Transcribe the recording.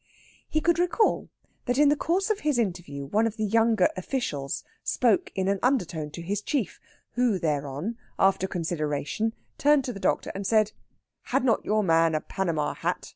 He could recall that in the course of his interview one of the younger officials spoke in an undertone to his chief; who thereon, after consideration, turned to the doctor and said, "Had not your man a panama hat?